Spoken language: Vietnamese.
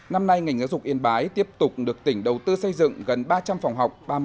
năm nay ngành giáo dục yên bái tiếp tục được tỉnh đầu tư xây dựng gần ba trăm linh phòng học